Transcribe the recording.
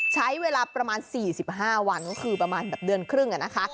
ใช้เวลาประมาณ๔๕วันก็คือประมาณแบบเดือนครึ่งนะคะ